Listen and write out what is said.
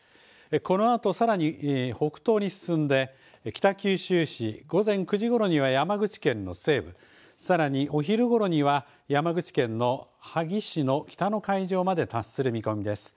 このあとさらに北東に進んで、北九州市、午前９時ごろには山口県の西部、さらにお昼ごろには、山口県の萩市の北の海上まで達する見込みです。